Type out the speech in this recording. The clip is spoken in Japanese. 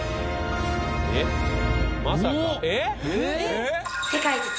えっまさかえっ！？